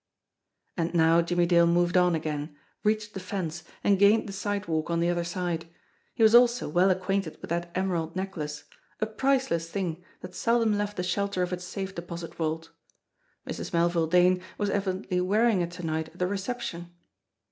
And now Jimmie Dale moved on again, reached the fence, and gained the sidewalk on the other side. He was also well acquainted with that emerald necklace a priceless thing that seldom left the shelter of its safe deposit vault. Mrs. Melville Dane was evidently wearing it to night at the recep tion!